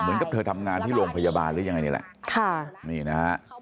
เหมือนกับเธอทำงานที่โรงพยาบาลหรือยังไงนี่แหละค่ะนี่นะฮะ